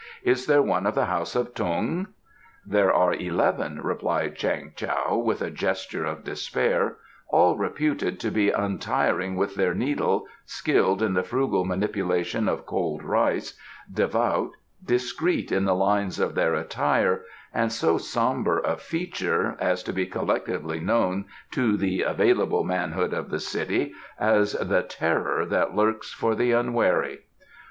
Is there one of the house of Tung?" "There are eleven," replied Chang Tao, with a gesture of despair, "all reputed to be untiring with their needle, skilled in the frugal manipulation of cold rice, devout, discreet in the lines of their attire, and so sombre of feature as to be collectively known to the available manhood of the city as the Terror that Lurks for the Unwary.